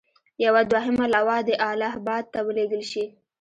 یوه دوهمه لواء دې اله اباد ته ولېږل شي.